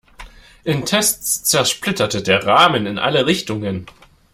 In Tests zersplitterte der Rahmen in alle Richtungen.